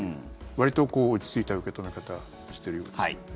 わりと落ち着いた受け止め方をしてるようですけどね。